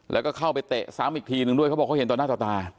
แล้วก็เข้าไปเตะซ้ำอีกทีนึงด้วยเขาบอกเขาเห็นต่อหน้าต่อตา